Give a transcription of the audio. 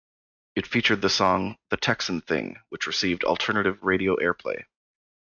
It featured the song, "The Texan Thing", which received alternative radio airplay.